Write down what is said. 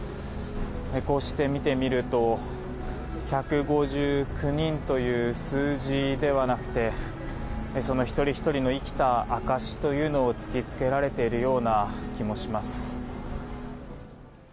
こうして見てみると１５９人という数字ではなくてその一人ひとりの生きた証しというのを突き付けられているような気もします。